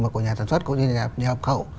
mà của nhà sản xuất cũng như nhà nhập khẩu